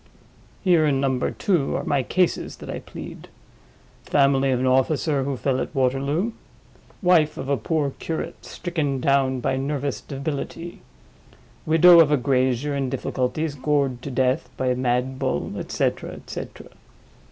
Here, in Number Two, are my cases that I plead: Family of an officer who fell at Waterloo; Wife of a poor curate stricken down by nervous debility; Widow of a grazier in difficulties gored to death by a mad bull; et cetera, et cetera.